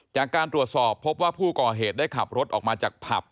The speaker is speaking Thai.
จากการตรวจสอบพบว่าผู้ก่อเหตุได้ขับรถออกมาจากผับ